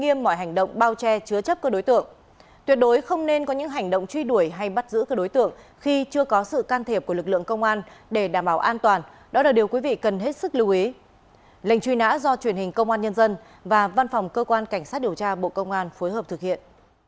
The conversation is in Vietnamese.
lệnh truy nã do truyền hình công an nhân dân và văn phòng cơ quan cảnh sát điều tra bộ công an phối hợp thực hiện